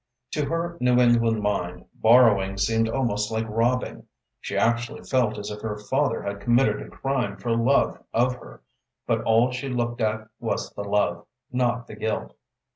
To her New England mind, borrowing seemed almost like robbing. She actually felt as if her father had committed a crime for love of her, but all she looked at was the love, not the guilt.